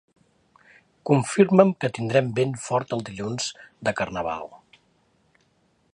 Confirma'm que tindrem vent fort el dilluns de Carnaval.